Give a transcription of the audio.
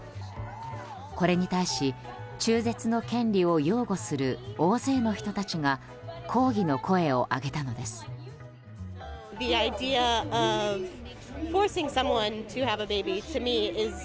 これに対し中絶の権利を擁護する大勢の人たちが抗議の声を上げたのです。